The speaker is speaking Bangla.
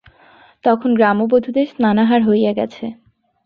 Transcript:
তখন গ্রামবধূদের স্নানাহার হইয়া গেছে।